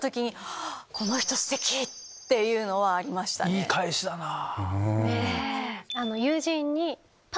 いい返しだなぁ。